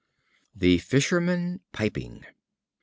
The Fisherman Piping.